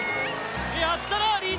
やったなリード！